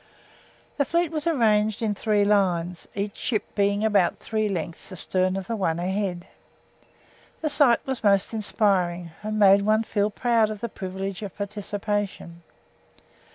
The fleet was arranged in three lines, each ship being about three lengths astern of the one ahead. The sight was most inspiriting, and made one feel proud of the privilege of participation.